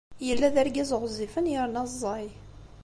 Yella d argaz ɣezzifen yerna ẓẓay.